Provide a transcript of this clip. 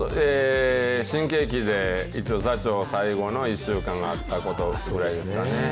新喜劇で座長最後の１週間があったことぐらいですかね。